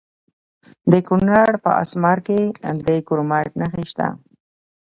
د کونړ په اسمار کې د کرومایټ نښې شته.